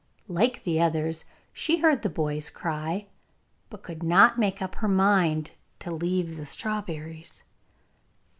Like the others, she heard the boy's cry, but could not make up her mind to leave the strawberries.